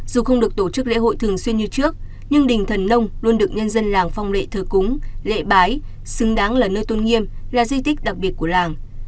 dù không được tổ chức lễ hội thường xuyên như trước nhưng đình thần nông luôn được nhân dân làng phong lệ thờ cúng lễ bái xứng đáng là nơi tôn nghiêm là di tích đặc biệt của làng